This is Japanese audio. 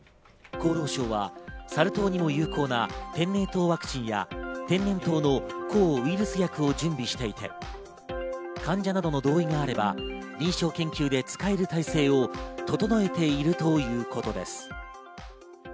厚労省はサル痘にも有効な天然痘ワクチンや、天然痘の抗ウイルス薬を準備していて、患者などの同意があれば、臨床研究で使える態勢を整えているということです。